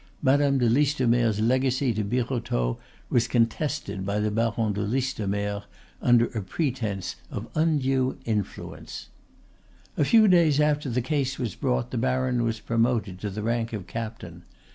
Madame de Listomere's legacy to Birotteau was contested by the Baron de Listomere under a pretence of undue influence! A few days after the case was brought the baron was promoted to the rank of captain.